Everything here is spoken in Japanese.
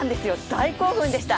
大興奮でした。